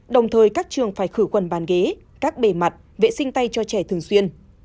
đồng thời các trường phải khử quần bàn ghế các bề mặt vệ sinh tay cho trẻ thường xuyên